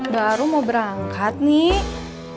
baru mau berangkat nih